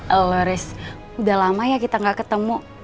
eloris udah lama ya kita ga ketemu